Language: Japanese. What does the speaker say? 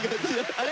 あれ？